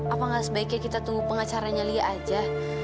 apakah sebaiknya kita tunggu pengacaranya lia aja